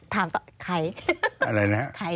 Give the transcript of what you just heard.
ถามต่อใคร